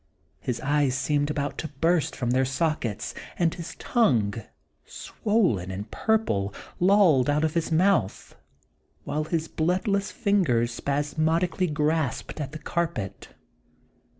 His eyes seemed about to burst from their sockets, and his tongue, swollen and purple, lolled out of his mouth, while his bloodless fingers spasmodically grasped at the carpet.